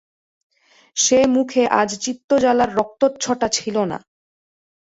সে মুখে আজ চিত্তজ্বালার রক্তচ্ছটা ছিল না।